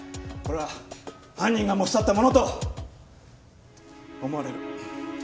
これは犯人が持ち去ったものと思われる。